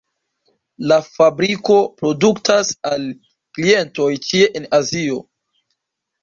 La fabriko produktas al klientoj ĉie en Azio.